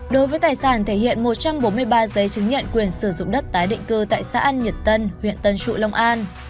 đối với tài sản thể hiện một trăm bốn mươi ba giấy chứng nhận quyền sử dụng đất tái định cư tại xã an nhật tân huyện tân trụ long an